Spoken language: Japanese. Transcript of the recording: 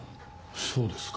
そうですか。